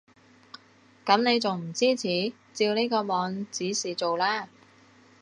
噉你仲唔支持？照呢個網指示做啦